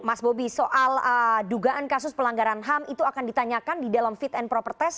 mas bobi soal dugaan kasus pelanggaran ham itu akan ditanyakan di dalam fit and proper test